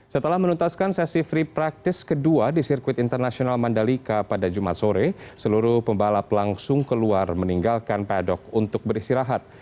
setelah menuntaskan sesi free practice kedua di sirkuit internasional mandalika pada jumat sore seluruh pembalap langsung keluar meninggalkan pedok untuk beristirahat